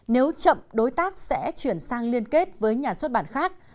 nếu chậm đối tác sẽ chuyển sang liên kết với nhà xuất bản khác